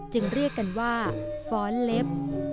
เรียกกันว่าฟ้อนเล็บ